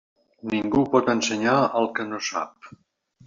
Ningú pot ensenyar el que no sap.